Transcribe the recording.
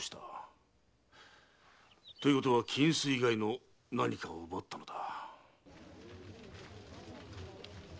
ということは金子以外の何かを奪ったのだ。